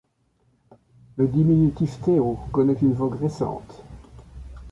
Le diminutif Théo connaît une vogue récente.